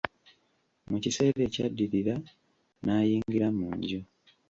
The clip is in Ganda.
Mu kiseera ekyaddirira n'ayingira mu nju.